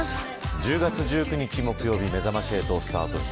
１０月１９日木曜日めざまし８スタートです。